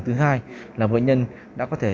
thứ hai là bệnh nhân đã có thể